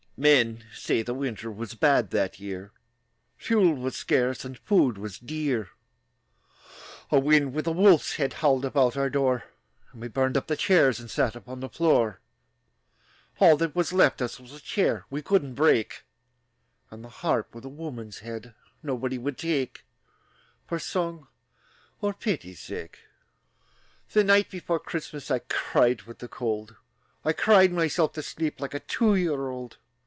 Men say the winter Was bad that year; Fuel was scarce, And food was dear. A wind with a wolf's head Howled about our door, And we burned up the chairs And sat upon the floor. All that was left us Was a chair we couldn't break, And the harp with a woman's head Nobody would take, For song or pity's sake. The night before Christmas I cried with the cold, I cried myself to sleep Like a two year old.